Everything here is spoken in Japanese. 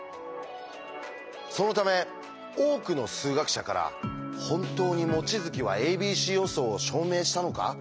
そのため多くの数学者から「本当に望月は『ａｂｃ予想』を証明したのか？」